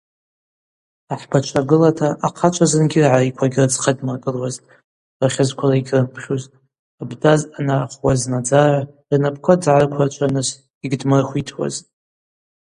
Ахӏбачва гылата ахъачва зынгьи ргӏариква гьрыдзхъадмыргылуазтӏ, рыхьызквала йгьрымпхьузтӏ, абдаз ангӏарахвуазнадзара рнапӏква дзы гӏарыквырчварныс йгьдмырхвитуазтӏ.